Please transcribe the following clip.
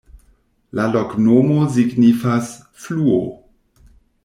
La loknomo signifas: fluo.